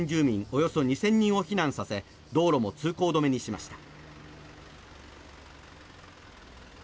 およそ２０００人を避難させ周辺道路も閉鎖しました。